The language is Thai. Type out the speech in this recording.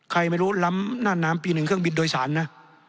ใครไม่รู้ล้ำน่านน้ำปีหนึ่งเครื่องบินโดยสารนะ